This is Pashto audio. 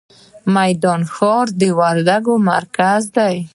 د میدان ښار د وردګو مرکز دی